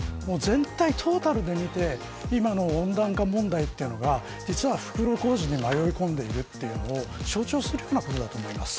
トータルで見て今の温暖化問題というのは、実は袋小路に迷い込んでいるというのを象徴するようなことだと思います。